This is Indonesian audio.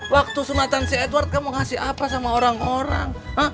waktu sunatan si edward kamu ngasih apa sama orang orang